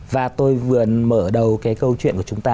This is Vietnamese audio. và tôi vừa mở đầu cái câu chuyện của chúng ta